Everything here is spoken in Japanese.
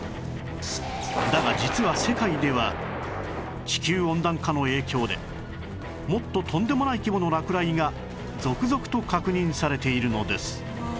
だが実は世界では地球温暖化の影響でもっととんでもない規模の落雷が続々と確認されているのです